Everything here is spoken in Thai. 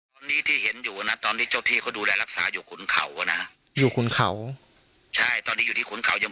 มีคนเดียวที่ดูแลน้องชมพู่อยู่